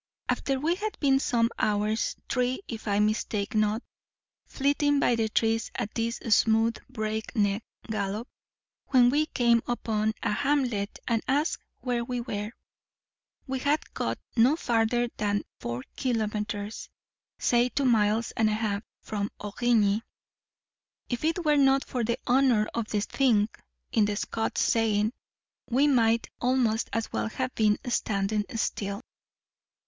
After we had been some hours, three if I mistake not, flitting by the trees at this smooth, break neck gallop, when we came upon a hamlet and asked where we were, we had got no farther than four kilometres (say two miles and a half) from Origny. If it were not for the honour of the thing (in the Scots saying), we might almost as well have been standing still.